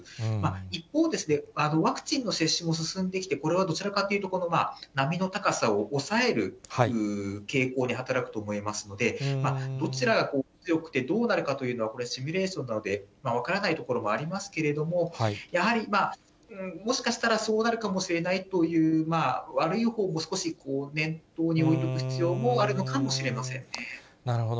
一方、ワクチンの接種も進んできて、これはどちらかというと、波の高さを抑える傾向に働くと思いますので、どちらがよくてどうなるかというのは、これ、シミュレーションなので、分からないところもありますけれども、やはりもしかしたらそうなるかもしれないという、悪いほうも少し念頭に置いておく必要もあるのかもしれませんね。